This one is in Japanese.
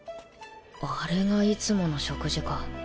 あれがいつもの食事か